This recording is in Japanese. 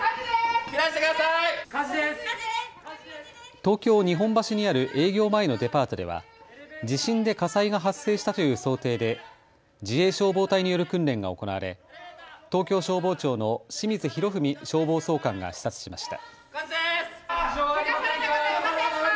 東京日本橋にある営業前のデパートでは地震で火災が発生したという想定で自衛消防隊による訓練が行われ東京消防庁の清水洋文消防総監が視察しました。